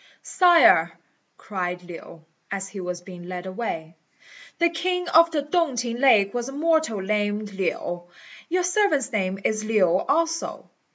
"Sire," cried Lin, as he was being led away, "the king of the Tung t'ing lake was a mortal named Lin; your servant's name is Lin also.